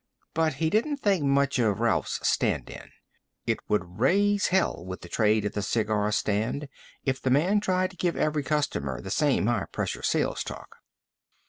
But he didn't think much of Ralph's stand in; it would raise hell with the trade at the cigar stand if the man tried to give every customer the same high pressure sales talk.